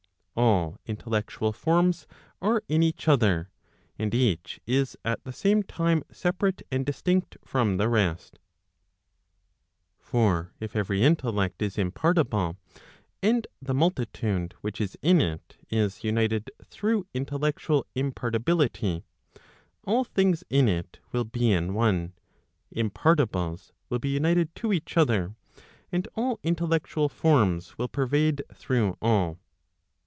All intellectual forms are in each other, and each is at the same time separate and distinct from the rest. For if every intellect is impartible, and the multitude which is in it is Proc. Vol, II. 3 G Digitized by t^OOQLe 413 ELEMENTS PROP. CLXXVI. united through intellectual impartiality, all things in it will be in one, impartibles will be united to each other, and all intellectual forms will pervade through all.